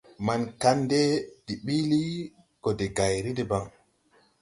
Maŋ Kandɛ de biili, go de gayri debaŋ.